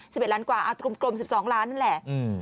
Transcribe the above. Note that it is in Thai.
สิบเอ็ดล้านกว่าอ่ากลมกลมสิบสองล้านนั่นแหละอืม